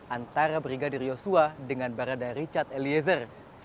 antara brigadir yosua dengan barada richard eliezer